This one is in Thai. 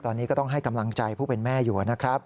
ตอนนี้ก็ต้องให้กำลังใจผู้เป็นแม่อยู่นะครับ